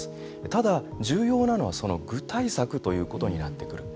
ただ、重要なのはその具体策ということになってくる。